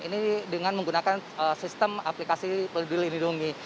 ini dengan menggunakan sistem aplikasi pelindungi